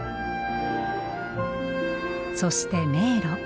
そして迷路。